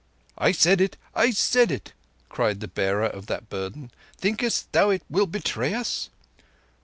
"I said it; I said it," cried the bearer of that burden. "Thinkest thou it will betray us?"